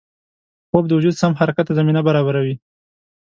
خوب د وجود سم حرکت ته زمینه برابروي